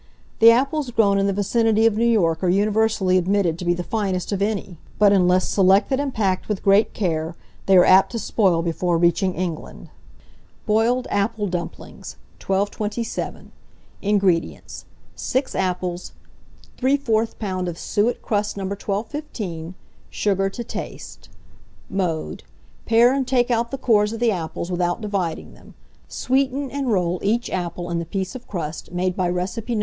The apples grown in the vicinity of New York are universally admitted to be the finest of any; but unless selected and packed with great care, they are apt to spoil before reaching England. BOILED APPLE DUMPLINGS. 1227. INGREDIENTS. 6 apples, 3/4 lb. of suet crust No. 1215, sugar to taste. Mode. Pare and take out the cores of the apples without dividing them; sweeten, and roll each apple in a piece of crust, made by recipe No.